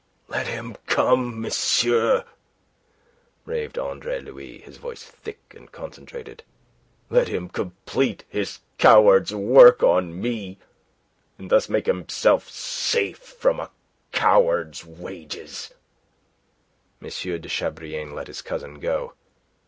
"Let him come, monsieur," raved Andre Louis, his voice thick and concentrated. "Let him complete his coward's work on me, and thus make himself safe from a coward's wages." M. de Chabrillane let his cousin go.